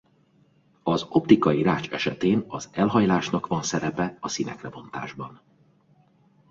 Az optikai rács esetén az elhajlásnak van szerepe a színekre bontásban.